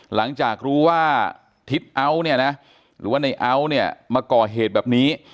หลังจากรู้ว่าทิศเอาท์เนี่ยนะหรือว่าในเอาท์เนี่ยมาก่อเหตุแบบนี้